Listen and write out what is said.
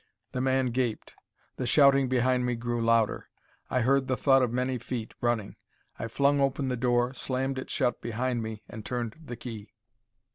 The man gaped. The shouting behind me grew louder. I heard the thud of many feet, running. I flung open the door, slammed it shut behind me, and turned the key.